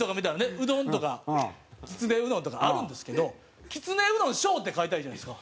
うどんとかきつねうどんとかあるんですけど「きつねうどん小」って書いたらいいじゃないですか。